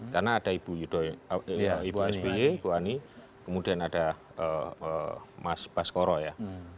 karena ada ibu sby ibu ani kemudian ada mas baskoro ya